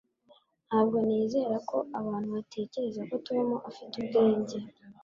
ntabwo nizera ko abantu batekereza ko tom afite ubwenge